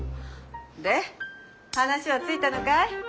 で話はついたのかい？